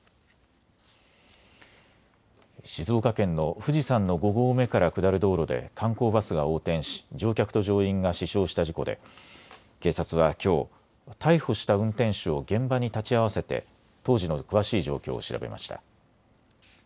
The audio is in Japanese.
静岡県の富士山の５合目から下る道路で観光バスが横転し乗客と乗員が死傷した事故で警察はきょう、逮捕した運転手を現場に立ち会わせて当時の詳しい状況を調べました。